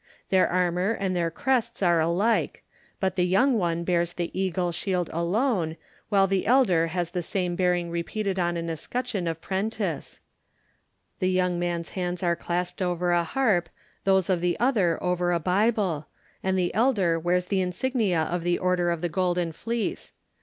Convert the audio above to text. Their armour and their crests are alike, but the young one bears the eagle shield alone, while the elder has the same bearing repeated upon an escutcheon of pretence; the young man's hands are clasped over a harp, those of the other over a Bible, and the elder wears the insignia of the order of the Golden Fleece.